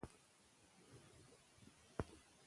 ویډیوګانې لنډې ځکه دي چې تولید ګران دی.